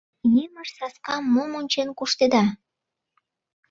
— Емыж-саскам мом ончен куштеда?